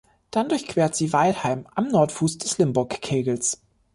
Dann durchquert sie Weilheim am Nordfuß des Limburg-Kegels.